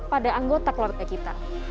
pada anggota keluarga kita